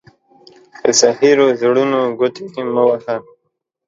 په زهيرو زړونو گوتي مه وهه.